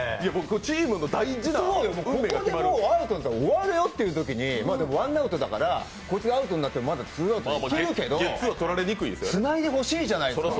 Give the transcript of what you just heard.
チームの大事なここでアウトだと終わるよってときにでもワンアウトだから、こいつがアウトになってもまだツーアウトあるけど、つなげてほしいじゃないですか。